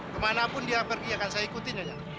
kemanapun dia pergi akan saya ikuti nyonya